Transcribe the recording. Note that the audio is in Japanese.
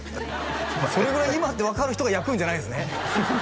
それぐらい今って分かる人が焼くんじゃないんですね？